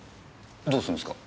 どうするんすか？